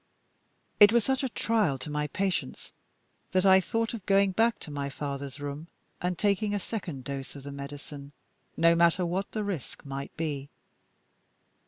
It was such a trial to my patience that I thought of going back to my father's room, and taking a second dose of the medicine, no matter what the risk might be.